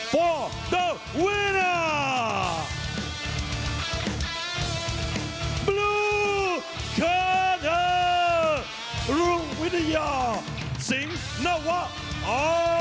ฟิสัมภัยหรือลงวิทยาสิงษ์นวะออ